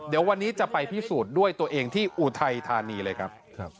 เดี๋ยววันนี้จะไปพิสูจน์ด้วยตัวเองที่อุทัยธานีเลยครับ